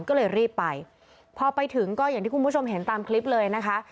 ก็เลยรีบไปพอไปถึงก็อย่างที่คุณผู้ชมเห็นตามคลิปเลยนะคะ